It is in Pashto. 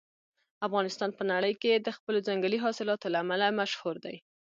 افغانستان په نړۍ کې د خپلو ځنګلي حاصلاتو له امله مشهور دی.